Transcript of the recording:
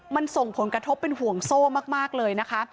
มันส่งผลกระทบเป็นห่วงโซ่มากเลยนะคะ